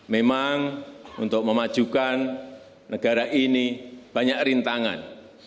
memang untuk memajukan negara ini banyak rintangan